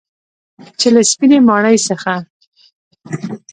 چې له سپینې ماڼۍ څخه